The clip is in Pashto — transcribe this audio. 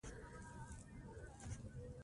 د ګاډي د برېک دے